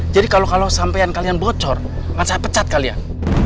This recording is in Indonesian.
jadi kalau kalau sampean kalian bocor masa pecat kalian